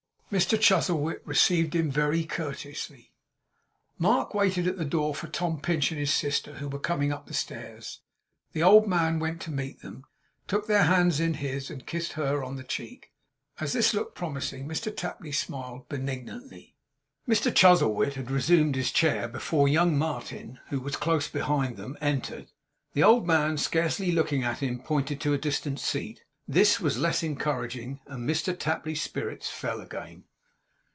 Mr Chuzzlewit received him very courteously. Mark waited at the door for Tom Pinch and his sister, who were coming up the stairs. The old man went to meet them; took their hands in his; and kissed her on the cheek. As this looked promising, Mr Tapley smiled benignantly. Mr Chuzzlewit had resumed his chair before young Martin, who was close behind them, entered. The old man, scarcely looking at him, pointed to a distant seat. This was less encouraging; and Mr Tapley's spirits fell again.